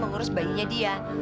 menurus bayinya dia